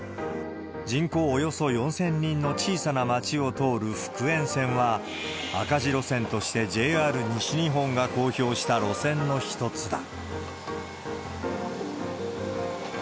人口およそ４０００人の小さな町を通る福塩線は、赤字路線としてＪＲ西日本が公表した路線の一つだ。